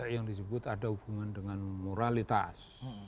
yang disebut ada hubungan dengan moralitas